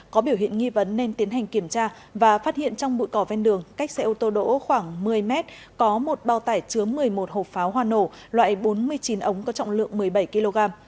có biểu hiện nghi vấn nên tiến hành kiểm tra và phát hiện trong bụi cỏ ven đường cách xe ô tô đỗ khoảng một mươi mét có một bao tải chứa một mươi một hộp pháo hoa nổ loại bốn mươi chín ống có trọng lượng một mươi bảy kg